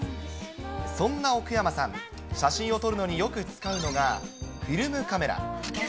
そんな奥山さん、写真を撮るのによく使うのが、フィルムカメラ。